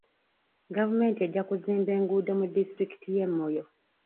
Gavumenti ejja kuzimba enguudo mu disitulikiti y'e Moyo.